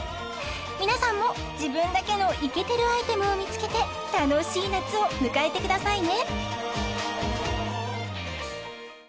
皆さんも自分だけのイケてるアイテムを見つけて楽しい夏を迎えてくださいね